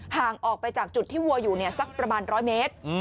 ห่างออกไปจากจุดที่วัวอยู่สักประมาณ๑๐๐เมตร